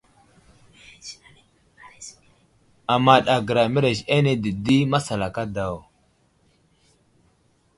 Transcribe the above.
Amaɗ agəra mərez ane dədi masalaka daw.